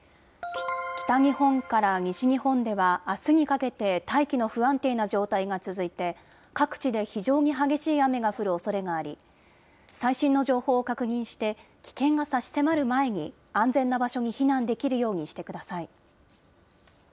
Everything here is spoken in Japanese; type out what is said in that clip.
北日本から西日本では、あすにかけて大気の不安定な状態が続いて、各地で非常に激しい雨が降るおそれがあり、最新の情報を確認して、危険が差し迫る前に、安全な場所に避難できるようにしてください。